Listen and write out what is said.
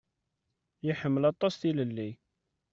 Yeḥmmel aṭas tilelli.